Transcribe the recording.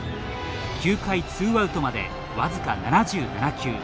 ９回ツーアウトまでわずか７７球。